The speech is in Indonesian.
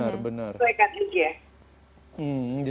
sesuaikan aja ya